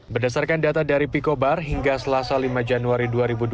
berdasarkan data dari pikobar hingga selasa lima januari dua ribu dua puluh